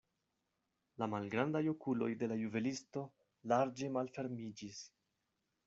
La malgrandaj okuloj de la juvelisto larĝe malfermiĝis.